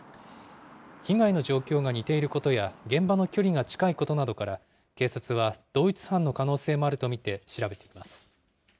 被害の状況が似ていることや、現場の距離が近いことなどから、警察は同一犯の可能性もあると見て調べています。